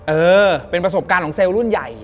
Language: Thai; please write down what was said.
เออเป็นประสบการณ์ของเซลล์รุ่นใหญ่